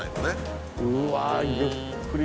うわゆっくりと。